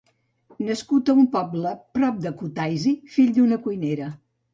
Nascut a un poble prop de Kutaisi, fill d'una cuinera.